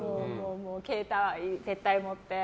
携帯は絶対持って。